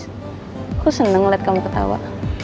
aku seneng liat kamu ketawa